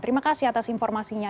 terima kasih atas informasinya